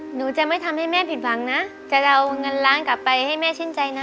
หนูจะไม่ทำให้แม่ผิดหวังนะจะเอาเงินล้านกลับไปให้แม่ชื่นใจนะ